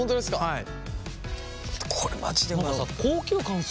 はい。